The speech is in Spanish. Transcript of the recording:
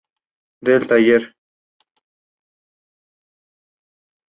Del Taller.